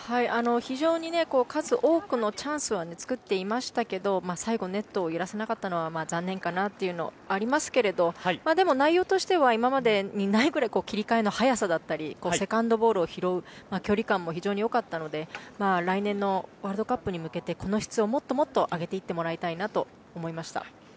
非常に数多くのチャンスは作っていましたけど最後ネットを揺らせなかったのは残念かなというのはありますがでも内容としては今までにないくらい切り替えの早さだったりセカンドボールを拾う距離感も非常に良かったので来年のワールドカップに向けてこの質を、もっともっと上げていってもらいたいなと思いました。